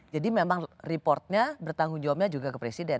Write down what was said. jadi memang reportnya bertanggung jawabnya juga ke presiden